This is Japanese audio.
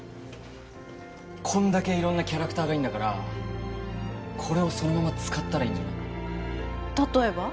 こんだけ色んなキャラクターがいるんだからこれをそのまま使ったらいいんじゃないか例えば？